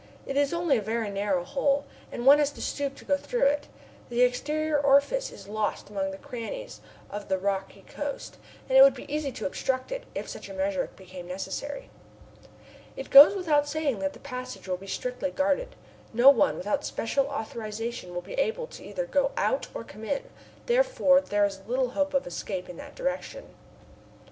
It is only a very narrow hole, and one has to stoop to go through it. The exterior orifice is lost among the crannies of the rocky coast, and it would be easy to obstruct it, if such a measure became necessary. It goes without saying that the passage will be strictly guarded. No one without special authorization will be able either to go out or come in, therefore there is little hope of escape in that direction.